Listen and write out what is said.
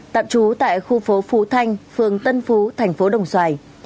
tạm trú tại khu phố phú thanh phường tân phú thành phố đồng xoài